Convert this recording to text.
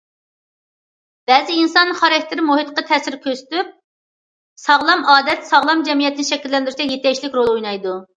بەزىدە ئىنسان خاراكتېرى مۇھىتقا تەسىر كۆرسىتىپ، ساغلام ئادەت، ساغلام جەمئىيەتنى شەكىللەندۈرۈشتە يېتەكچىلىك رول ئوينايدۇ.